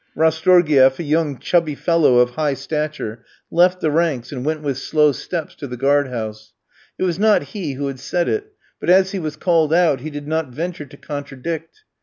Rastorgouïef, a young, chubby fellow of high stature, left the ranks and went with slow steps to the guard house. It was not he who had said it, but, as he was called out, he did not venture to contradict.